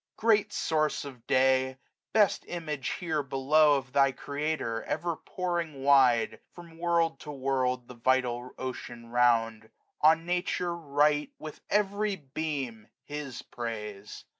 65 Great source of day! best image here below Of thy Creator, ever pouring wide. Prom world to world, the vital ocean round; On Nature write with every beam His praise.